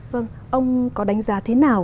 vâng ông có đánh giá thế nào